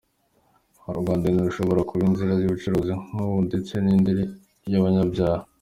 U Rwanda ntirushobora kuba inzira y’ubucuruzi nk’ubu ndetse n’indiri y’abanyabyaha”.